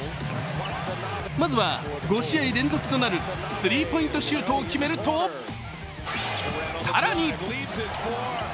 まずは５試合連続となるスリーポイントシュートを決めると更に！